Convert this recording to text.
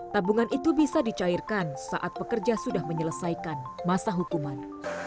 tabungan itu bisa dicairkan saat pekerja sudah menyelesaikan masa hukuman